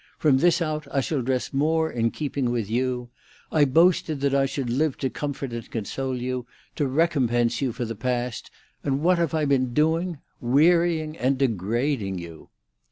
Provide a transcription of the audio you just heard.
From this out, I shall dress more in keeping with you. I boasted that I should live to comfort and console you, to recompense you for the past, and what have I been doing? Wearying and degrading you!"